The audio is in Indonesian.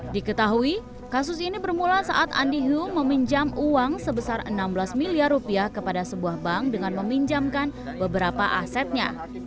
diketahui kasus ini bermula saat andi hunjam uang sebesar enam belas miliar rupiah kepada sebuah bank dengan meminjamkan beberapa asetnya